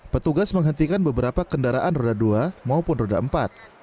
petugas menghentikan beberapa kendaraan roda dua maupun roda empat